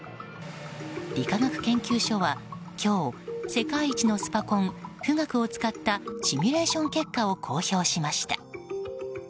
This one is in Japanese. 理化学研究所は今日世界一のスパコン「富岳」を使ったシミュレーション結果を公表しました。